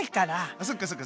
あっそっかそっか。